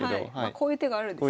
こういう手があるんですね。